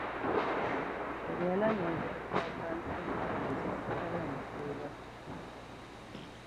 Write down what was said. Bɛ nyɛla ninvuɣu shεba ban tum tuumbiεri, ka niŋ tuuba.